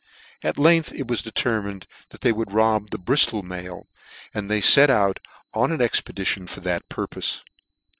At length It was determined that they would rob the Briftol mail j and they let out on an expedition for that purpofe.